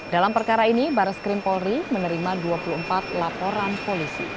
dalam perkara ini baris krim polri menerima dua puluh empat laporan polisi